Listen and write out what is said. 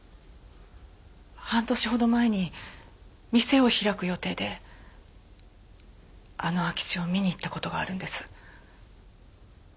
半年ほど前に店を開く予定であの空き地を見に行った事があるんです。